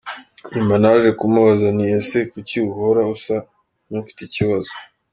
Nyuma naje kumubaza nti “Ese kuki uhora usa n’ufite ikibazo?”.